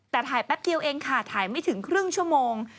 แต่ถ่ายแป๊บเดียวเองค่ะถ่ายไม่ถึงครึ่งชั่วโมง